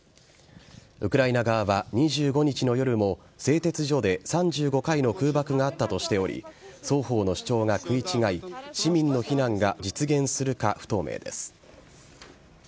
ウクライナ側は２５日の夜も製鉄所で３５回の空爆があったとしており双方の主張が食い違い市民の避難が実現するか不透明です。